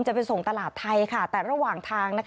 จะไปส่งตลาดไทยค่ะแต่ระหว่างทางนะคะ